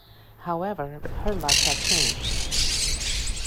However, her luck had changed.